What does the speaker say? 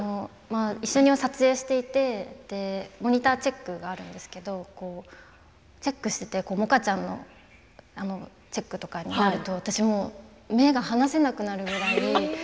一緒に撮影していてモニターチェックがあるんですけれど、チェックして萌歌ちゃんのチェックとかになると一緒に見るんですね？